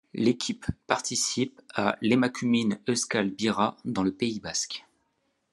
L'équipe participe à l'Emakumeen Euskal Bira dans le Pays basque.